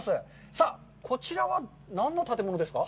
さあ、こちらは何の建物ですか？